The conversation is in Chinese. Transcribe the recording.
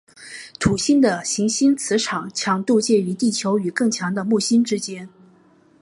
土星的行星磁场强度介于地球和更强的木星之间。